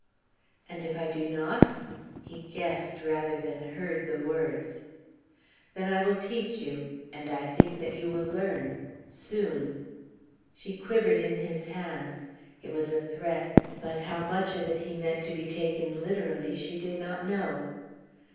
"And if I do not?" He guessed rather than heard the words. "Then I will teach you, and I think that you will learn soon." She quivered in his hands. It was a threat, but how much of it he meant to be taken literally she did not know.